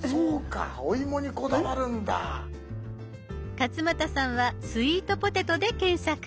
勝俣さんは「スイートポテト」で検索。